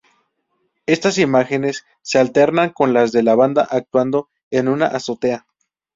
Estas imágenes se alternan con las de la banda actuando en una azotea.